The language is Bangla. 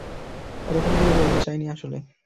ওরকম করে বলতে চাইনি আসলে!